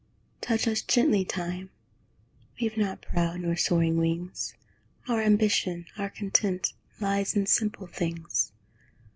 Touch us gently, Time! We've not proud nor soaring wings; Our ambition, our content, Lies in simple things.